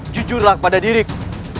jujurlah pada diriku